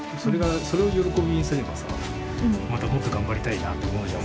それを喜びにすればさまたもっと頑張りたいなって思うじゃん。